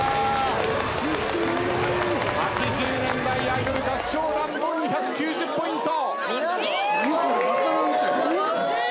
８０年代アイドル合唱団も２９０ポイント。